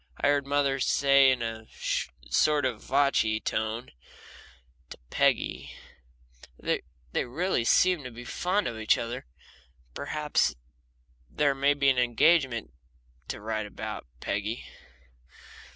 And I heard mother say in a "sort of vochy" tone to Peggy: "They really seem to be fond of each other. Perhaps there may be an engagement to write you about, Peggy."